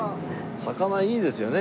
魚いいですよね。